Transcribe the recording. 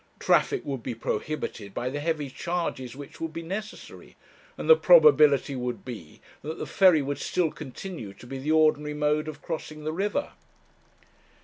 Traffic would be prohibited by the heavy charges which would be necessary, and the probability would be that the ferry would still continue to be the ordinary mode of crossing the river.